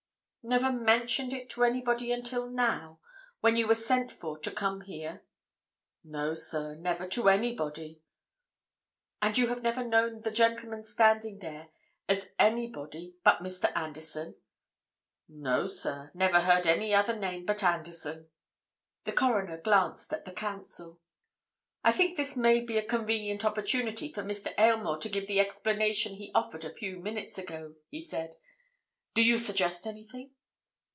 "Never mentioned it to anybody until now, when you were sent for to come here?" "No, sir, never, to anybody." "And you have never known the gentleman standing there as anybody but Mr. Anderson?" "No, sir, never heard any other name but Anderson." The Coroner glanced at the Counsel. "I think this may be a convenient opportunity for Mr. Aylmore to give the explanation he offered a few minutes ago," he said. "Do you suggest anything?"